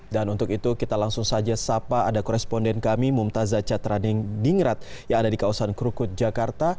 dan untuk itu kita langsung saja sapa ada koresponden kami mumtazza catraning dingrat yang ada di kawasan krukut jakarta